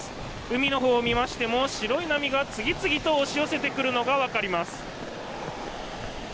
海のほうを見ましても白い波が次々と押し寄せてくるのが分かります。